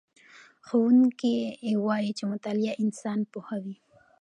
ښوونکی وایي چې مطالعه انسان پوهوي.